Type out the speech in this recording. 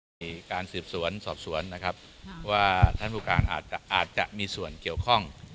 มีการสืบสวนสอบสวนนะครับว่าท่านผู้การอาจจะมีส่วนเกี่ยวข้อง